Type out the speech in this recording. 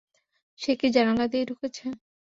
সে কি জানালা দিয়ে ঢুকেছে?